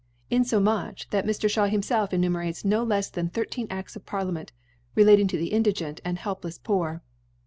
Infomuch that Mr. ^baw himfelf enumerates no lefs • than thir«« teen Ads of Parliament relating to the in » digent and helpleCs Poor.